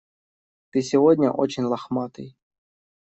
Ты сегодня очень лохматый.